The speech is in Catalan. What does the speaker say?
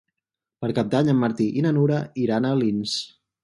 Per Cap d'Any en Martí i na Nura iran a Alins.